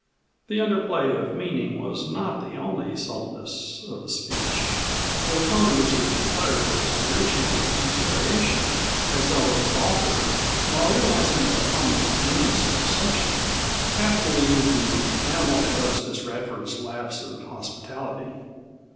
The underplay of meaning was not the only subtleness of the speech, for the tone in which it had been uttered was rich in interrogation, as though its author, while realizing the pony's dimness of perception, half believed the animal had noticed Miss Radford's lapse of hospitality.